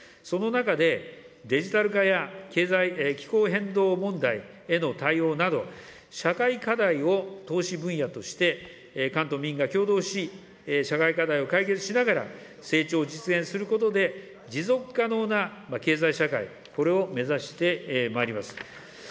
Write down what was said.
その中で、デジタル化や経済、気候変動問題への対応など、社会課題を投資分野として、官と民が協働し、社会課題を解決しながら、成長を実現することで、持続可能な経済社会、これを目指してまいります。